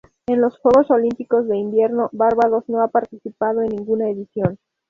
En los Juegos Olímpicos de Invierno Barbados no ha participado en ninguna edición.